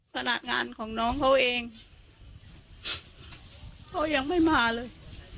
ขนาดงานของน้องเขาเองเขายังไม่มาเลย